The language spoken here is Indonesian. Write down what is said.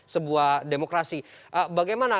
sebuah demokrasi bagaimana